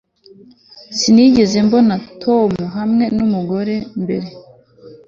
Sinigeze mbona Tom hamwe numugore mbere